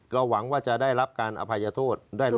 ก็หวังว่าจะได้รับการอภัยโทษได้ลดโทษ